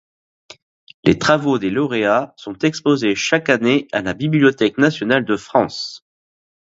Les travaux des lauréats sont exposés chaque année à la Bibliothèque nationale de France.